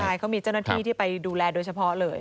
ใช่เขามีเจ้าหน้าที่ที่ไปดูแลโดยเฉพาะเลย